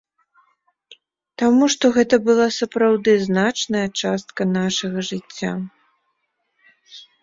Таму што гэта была сапраўды значная частка нашага жыцця.